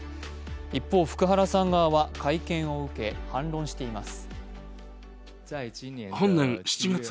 一方、福原さん側は会見を受け反論しています。